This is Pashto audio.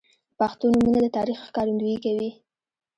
• پښتو نومونه د تاریخ ښکارندویي کوي.